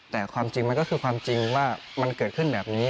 แต่ความจริงมันก็คือความจริงว่ามันเกิดขึ้นแบบนี้